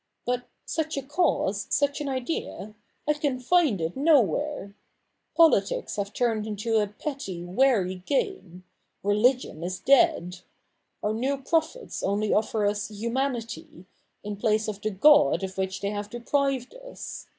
But such a cause, such an idea — I can find it nowhere. Politics have turned into a petty, weary game ; religion is dead. Our new prophets only offer us Humanity, in place of the God of which they have deprived us.